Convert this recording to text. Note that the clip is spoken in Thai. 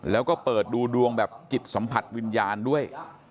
แล้วก็เปิดดูดวงแบบจิตสัมผัสวิญญาณด้วย